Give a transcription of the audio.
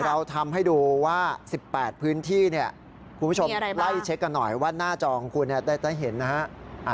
เราทำให้ดูว่า๑๘พื้นที่เนี่ยคุณผู้ชมไล่เช็คกันหน่อยว่าหน้าจอของคุณได้เห็นนะฮะ